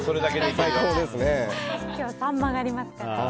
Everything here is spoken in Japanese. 今日、サンマがありますから。